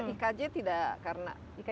ikj tidak karena tidak ada